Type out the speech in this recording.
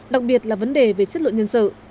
đặc biệt là vấn đề về chất lượng nhân sự